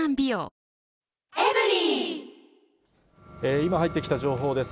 今、入ってきた情報です。